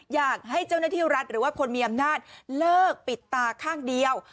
อยากให้เจ้าหน้าที่รัฐหรือว่าคนมีอำนาจเลิกปิดตาข้างเดียว